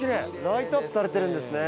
ライトアップされてるんですね。